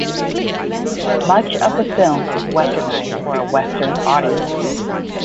Much of the film is Westernized for a Western audience.